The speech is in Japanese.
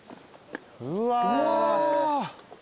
うわ。